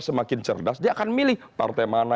semakin cerdas dia akan milih partai mana